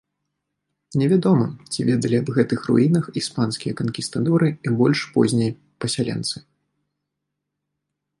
Невядома, ці ведалі аб гэтых руінах іспанскія канкістадоры і больш познія пасяленцы.